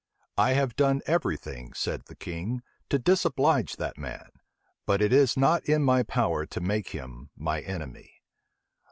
"I have done every thing," said the king, "to disoblige that man; but it is not in my power to make him my enemy."